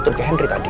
ini sudah berhasil